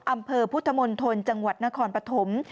อำเภอพุทธมณฑลจังหวัดนครปฐม